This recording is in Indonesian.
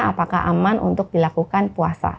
apakah aman untuk dilakukan puasa